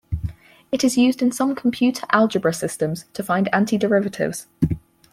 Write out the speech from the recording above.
It is used in some computer algebra systems to find antiderivatives.